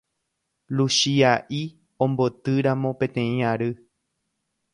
Luchia'i ombotýramo peteĩ ary